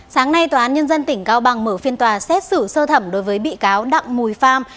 sáng nay tòa án nhân dân tỉnh cao bằng mở phiên tòa xét xử sơ thẩm đối với bị cáo đặng mùi phan